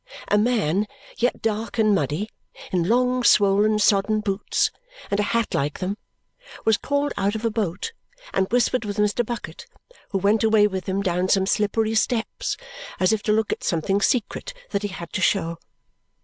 A man yet dark and muddy, in long swollen sodden boots and a hat like them, was called out of a boat and whispered with Mr. Bucket, who went away with him down some slippery steps as if to look at something secret that he had to show.